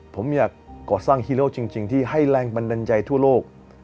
ผมอยากก่อสร้างฮีโร่จริงที่ให้แรงบันดาลใจทั่วโลก